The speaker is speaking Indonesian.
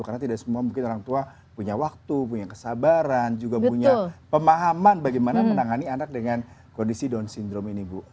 karena tidak semua mungkin orang tua punya waktu punya kesabaran juga punya pemahaman bagaimana menangani anak dengan kondisi down syndrome ini bu